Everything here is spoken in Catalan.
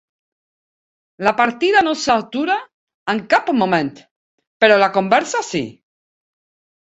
La partida no s'atura en cap moment, però la conversa sí.